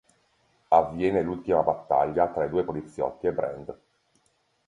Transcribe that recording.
Avviene l'ultima battaglia tra i due poliziotti e Brand.